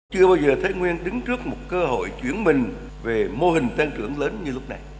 chưa bao giờ thái nguyên đứng trước một cơ hội chuyển mình về mô hình tăng trưởng lớn như lúc này